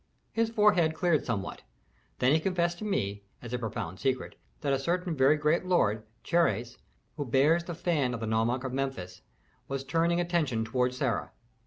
His forehead cleared somewhat; then he confessed to me, as a profound secret, that a certain very great lord, Chaires, who bears the fan of the nomarch of Memphis, was turning attention toward Sarah.